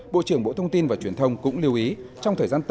bộ trưởng bộ thông tin và truyền thông cũng lưu ý trong thời gian tới